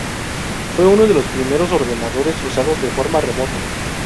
Fue uno de los primeros ordenadores usados de forma remota.